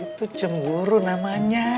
itu cemburu namanya